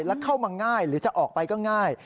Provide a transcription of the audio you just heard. แล้วเข้ามาง่ายหรือจะออกไปก็ง่าย